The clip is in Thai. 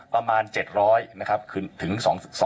ประมาณ๗๐๐นะครับถึง๒๐๐๐